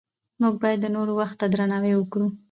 موږ باید د نورو وخت ته درناوی وکړو